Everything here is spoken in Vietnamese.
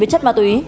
với chất ma túy